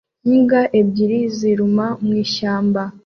Imbwa ebyiri ziruma mu ishyamba